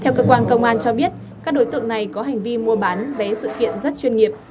theo cơ quan công an cho biết các đối tượng này có hành vi mua bán vé sự kiện rất chuyên nghiệp